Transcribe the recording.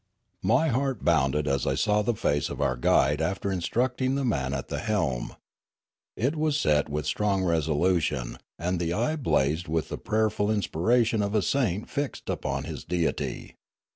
My heart bounded as I saw the face of our guide after instructing the man at the helm. It was set with strong resolution, and the eye blazed with the prayer ful inspiration of a saint fixed upon his deity.